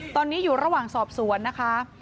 ตอนนี้อยู่ระหว่างสอบสวนนะคะ